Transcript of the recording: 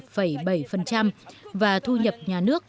và thu nhập nhà nước tăng bốn chín so với năm trước